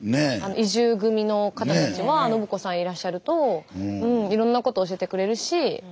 移住組の方たちは信子さんいらっしゃるといろんなこと教えてくれるし。